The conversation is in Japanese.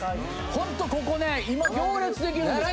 ほんとここね今行列できるんですけど。